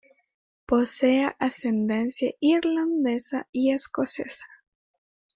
Posee ascendencia irlandesa y escocesa.